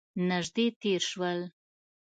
نژدې تیر شول